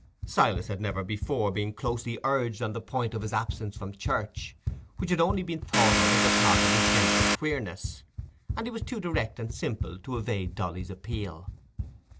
Silas had never before been closely urged on the point of his absence from church, which had only been thought of as a part of his general queerness; and he was too direct and simple to evade Dolly's appeal.